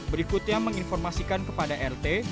berikutnya menginformasikan kepada rt